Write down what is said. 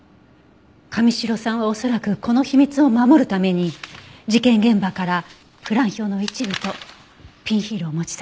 神城さんは恐らくこの秘密を守るために事件現場からプラン表の一部とピンヒールを持ち去ったのね。